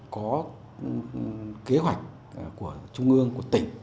có kế hoạch của trung ương của tỉnh